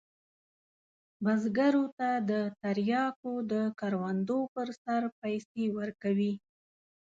بزګرو ته د تریاکو د کروندو پر سر پیسې ورکوي.